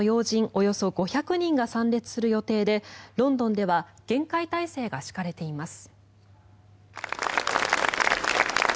およそ５００人が参列する予定でロンドンでは厳戒態勢が敷かれています。